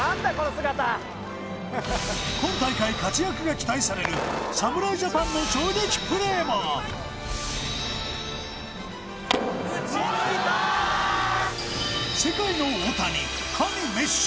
今大会活躍が期待される侍ジャパンの衝撃プレーも打ち抜いた世界の大谷神メッシ